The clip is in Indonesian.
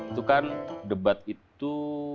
itu kan debat itu